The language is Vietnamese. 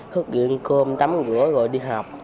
hức điện cơm tắm rửa rồi đi học